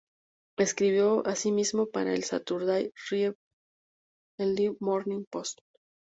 Escribió, asimismo para el "Saturday Review" y "The Morning Post".